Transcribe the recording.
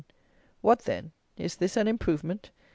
What, then, is this "an improvement?"